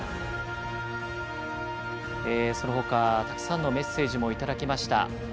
たくさんのメッセージをいただきました。